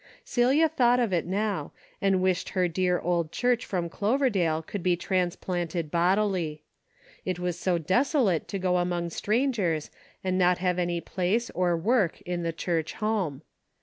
Celia thought of it now, and wished their dear old church from Cloverdale could be transplanted bodily. It was so desolate to go among strangers and not have any place or work in the church home.